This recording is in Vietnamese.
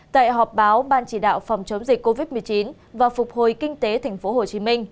tại họp báo ban chỉ đạo phòng chống dịch covid một mươi chín và phục hồi kinh tế tp hcm